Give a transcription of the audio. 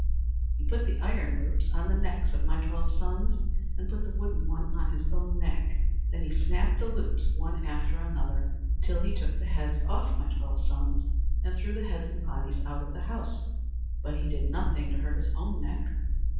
"He put the iron loops on the necks of my twelve sons, and put the wooden one on his own neck. Then he snapped the loops one after another, till he took the heads off my twelve sons and threw the heads and bodies out of the house; but he did nothing to hurt his own neck.